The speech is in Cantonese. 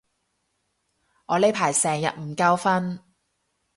我呢排成日唔夠瞓